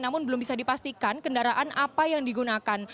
namun belum bisa dipastikan kendaraan apa yang digunakan